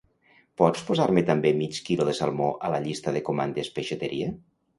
Pots posar-me també mig quilo de salmó a la llista de comandes peixateria?